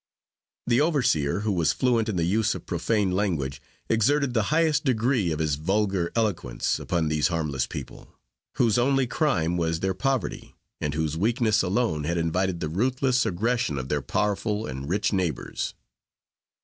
The overseer, who was fluent in the use of profane language, exerted the highest degree of his vulgar eloquence upon these harmless people, whose only crime was their poverty, and whose weakness alone had invited the ruthless aggression of their powerful and rich neighbors.